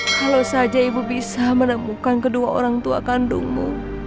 kalau saja ibu bisa menemukan kedua orang tua kandungmu